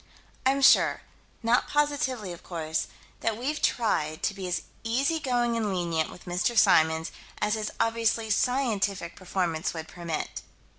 I'm sure not positively, of course that we've tried to be as easygoing and lenient with Mr. Symons as his obviously scientific performance would permit.